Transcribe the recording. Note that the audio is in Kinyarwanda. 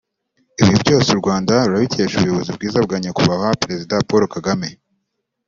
ibi byose u Rwanda rurabikesha ubuyobozi bwiza bwa Nyakubahwa Perezida Paul Kagame